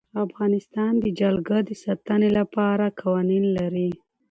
افغانستان د جلګه د ساتنې لپاره قوانین لري.